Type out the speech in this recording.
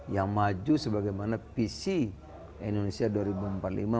yang maju sebagaimana visi indonesia dua ribu empat puluh lima